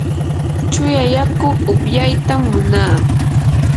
chuya yaku upyaytam munaa.